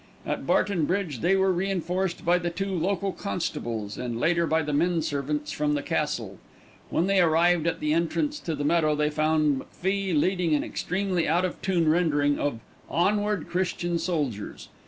At Barton Bridge they were reinforced by the two local constables and later by the men servants from the Castle. When they arrived at the entrance to the meadow they found McFie leading an extremely out of tune rendering of "Onward, Christian Soldiers."